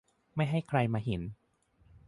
ไม่ให้ใครมาเห็น